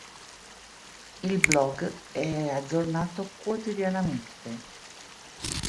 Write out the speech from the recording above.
Il blog è aggiornato quotidianamente.